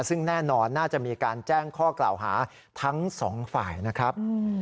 ซึ่งแน่นอนน่าจะมีการแจ้งข้อกล่าวหาทั้งสองฝ่ายนะครับ